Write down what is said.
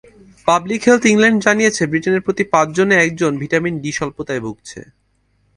Public health England জানিয়েছে, ব্রিটেনে প্রতি পাঁচজনে একজন ভিটামিন ডি-র স্বল্পতায় ভুগছে।